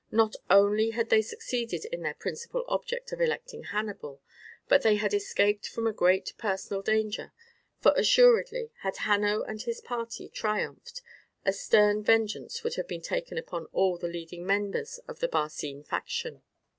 Not only had they succeeded in their principal object of electing Hannibal, but they had escaped from a great personal danger; for, assuredly, had Hanno and his party triumphed, a stern vengeance would have been taken upon all the leading members of the Barcine faction.